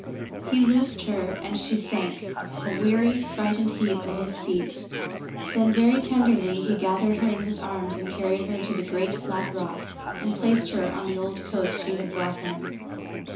He loosed her and she sank, a weary, frightened heap, at his feet. Then very tenderly he gathered her in his arms and carried her to the great flat rock and placed her on the old coat she had brought him.